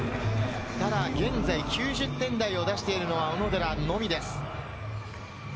ただ現在、９０点台を出しているのは小野寺のみです。